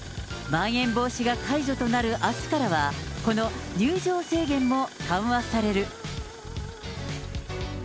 まん延防止が解除となるあすからは、この入場制限も緩和される。